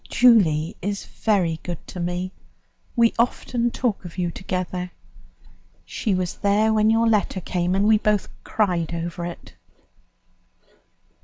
Julie is very good to me; we often talk of you together. She was there when your letter came, and we both cried over it.